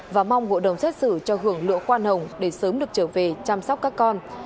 và mong hộ đồng xét xử cho hưởng lựa quan hồng để sớm được trở về chăm sóc các con